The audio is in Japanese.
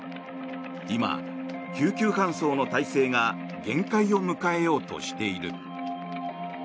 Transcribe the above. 今、救急搬送の体制が限界を迎えようとしている。